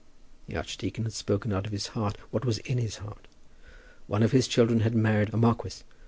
The archdeacon had spoken out of his heart what was in his heart. One of his children had married a marquis.